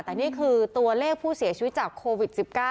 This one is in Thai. แต่นี่คือตัวเลขผู้เสียชีวิตจากโควิด๑๙